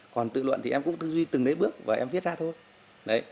còn tư luận thì em cũng tư duy từng đấy bước và em viết ra thôi